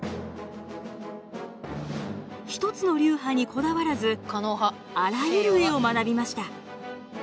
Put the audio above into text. １つの流派にこだわらずあらゆる絵を学びました。